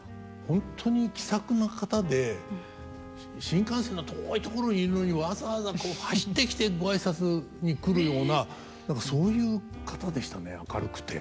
本当に気さくな方で新幹線の遠い所にいるのにわざわざ走ってきてご挨拶に来るような何かそういう方でしたね明るくて。